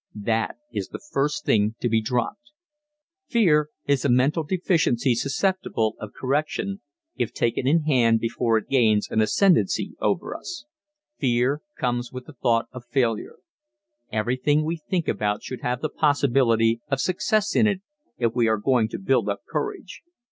That is the first thing to be dropped. Fear is a mental deficiency susceptible of correction, if taken in hand before it gains an ascendency over us. Fear comes with the thought of failure. Everything we think about should have the possibility of success in it if we are going to build up courage.